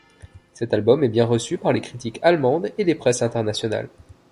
Cet album est bien reçu par les critiques allemandes et les presses internationales.